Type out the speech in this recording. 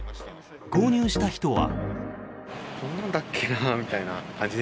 購入した人は。